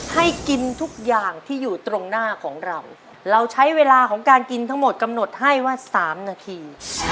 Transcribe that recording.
ให้กินทุกอย่างที่อยู่ตรงหน้าของเราเราใช้เวลาของการกินทั้งหมดกำหนดให้ว่า๓นาที